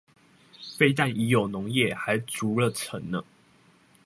非但已有農業，還築了城呢！